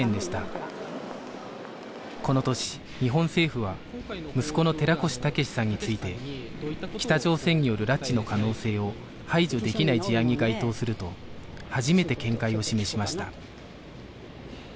この年日本政府は息子の寺越武志さんについて「北朝鮮による拉致の可能性を排除できない事案」に該当すると初めて見解を示しました